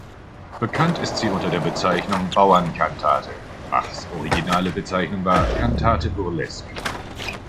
Bekannt ist sie unter der Bezeichnung „Bauern-Kantate“; Bachs originale Bezeichnung war „Cantate burlesque“.